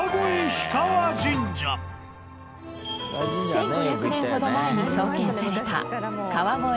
１５００年ほど前に創建された。